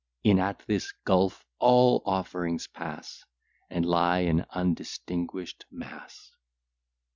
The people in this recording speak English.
In at this gulf all offerings pass And lie an undistinguish'd mass.